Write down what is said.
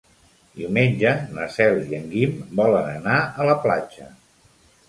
Diumenge na Cel i en Guim volen anar a la platja.